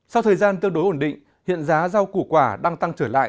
sau thời gian tương đối ổn định hiện giá rau củ quả đang tăng trở lại